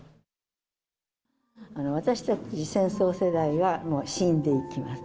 私たち戦争世代は、もう死んでいきます。